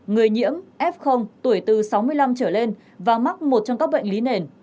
người nhiễm f tuổi từ sáu mươi năm trở lên và mắc một trong các bệnh lý nền